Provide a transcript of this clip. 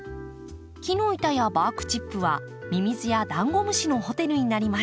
木の板やバークチップはミミズやダンゴムシのホテルになります。